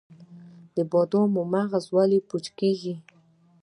د بادامو مغز ولې پوچ کیږي؟